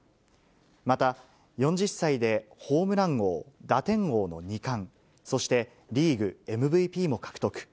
また４０歳でホームラン王、打点王の２冠、そしてリーグＭＶＰも獲得。